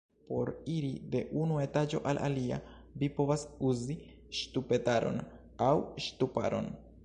Por iri de unu etaĝo al alia, vi povas uzi ŝtupetaron aŭ ŝtuparon.